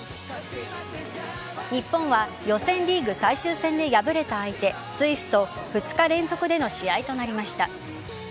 日本は予選リーグ最終戦で敗れた相手スイスと２日連続での試合となりました。